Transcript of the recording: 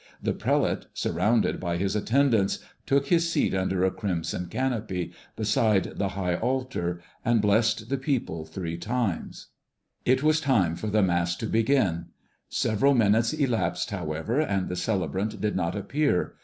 The prelate, surrounded by his attendants, took his seat under a crimson canopy, beside the high altar, and blessed the people three times. It was time for Mass to begin. Several minutes elapsed, however, and the celebrant did not appear.